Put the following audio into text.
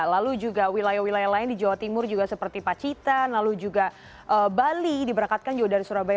lalu juga wilayah wilayah lain di jawa timur juga seperti pacitan lalu juga bali diberangkatkan juga dari surabaya